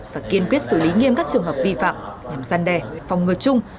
và kiên quyết xử lý nghiêm các trường hợp vi phạm nhằm gian đề phòng ngừa chung